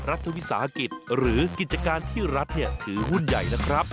รัฐวิสาหกิจหรือกิจการที่รัฐถือหุ้นใหญ่นะครับ